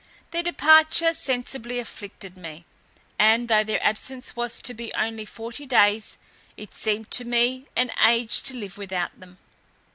Their departure sensibly afflicted me; and though their absence was to be only forty days, it seemed to me an age to live without them.